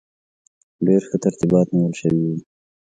ډېر ښه ترتیبات نیول شوي وو.